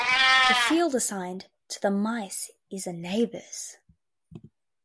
The field assigned to the mice is a neighbor's.